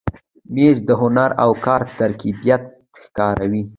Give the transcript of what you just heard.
مېز د هنر او کار ترکیب ښکاروي.